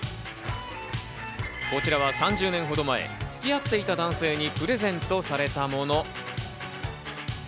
こちらは３０年ほど前、付き合っていた男性にプレゼントされたもの。